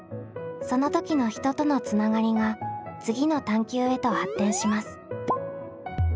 その時の人とのつながりが次の探究へと発展します。